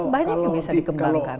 banyak yang bisa dikembangkan